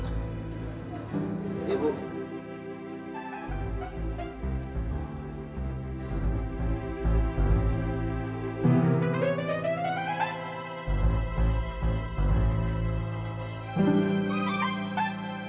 ya iya bukannya